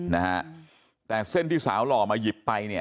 สวัสดีครับคุณผู้ชาย